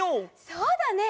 そうだね。